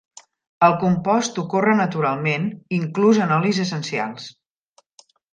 El compost ocorre naturalment, inclús en olis essencials.